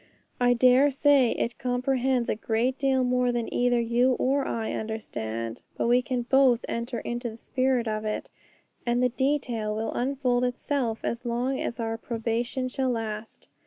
I dare say it comprehends a great deal more than either you or I understand, but we can both enter into the spirit of it, and the detail will unfold itself as long as our probation shall last.